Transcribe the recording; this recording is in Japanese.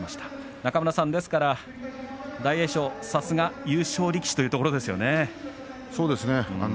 中村さん、大栄翔さすが優勝力士というところですね。